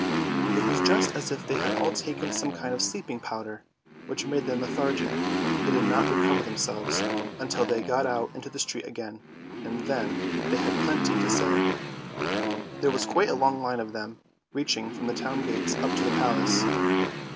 It was just as if they had all taken some kind of sleeping powder, which made them lethargic; they did not recover themselves until they got out into the street again, and then they THE SNOW QUEEN 201 had plenty to say. There was quite a long line of them, reaching from the town gates up to the Palace.